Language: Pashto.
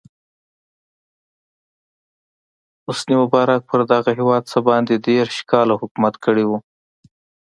حسن مبارک پر دغه هېواد څه باندې دېرش کاله حکومت کړی و.